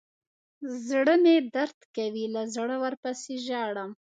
زړه مې درد کوي له زړه ورپسې ژاړم.